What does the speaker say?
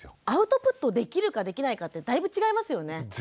アウトプットできるかできないかってだいぶ違いますよね。